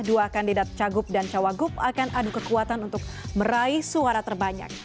dua kandidat cagup dan cawagup akan adu kekuatan untuk meraih suara terbanyak